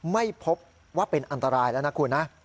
ไม่พบว่าเป็นอันตรายแล้วนะคุณนะ